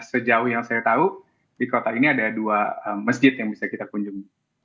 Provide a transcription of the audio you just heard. sejauh yang saya tahu di kota ini ada dua masjid yang bisa kita kunjungi